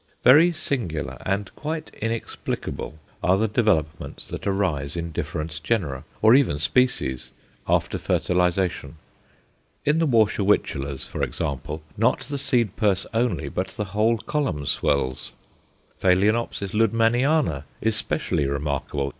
Very singular and quite inexplicable are the developments that arise in different genera, or even species, after fertilization. In the Warscewiczellas, for example, not the seed purse only, but the whole column swells. Phaloenopsis Luddemanniana is specially remarkable.